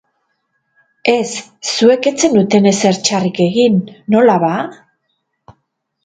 Ez, zuek ez zenuten ezer txarrik egin, nola ba?